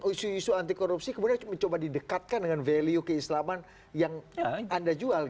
isu isu anti korupsi kemudian mencoba didekatkan dengan value keislaman yang anda jual